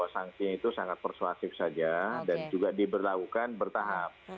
sanksinya itu sangat persuasif saja dan juga diberlakukan bertahap